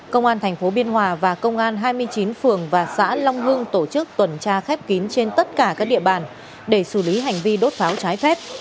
công an thành phố biên hòa và công an hai mươi chín phường và xã long hưng tổ chức tuần tra khép kín trên tất cả các địa bàn để xử lý hành vi đốt pháo trái phép